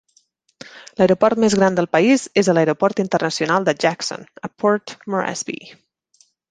L'aeroport més gran del país és l'aeroport internacional de Jackson, a Port Moresby.